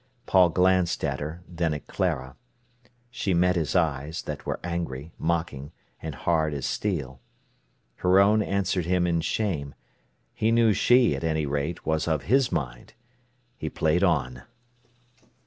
Paul glanced at her, then at Clara. She met his eyes, that were angry, mocking, and hard as steel. Her own answered him in shame. He knew she, at any rate, was of his mind. He played on.